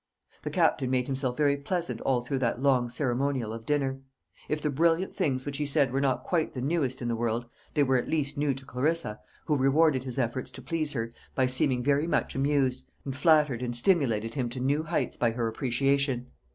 The Captain made himself very pleasant all through that long ceremonial of dinner. If the brilliant things which he said were not quite the newest in the world, they were at least new to Clarissa, who rewarded his efforts to please her by seeming very much amused, and flattered, and stimulated him to new flights by her appreciation.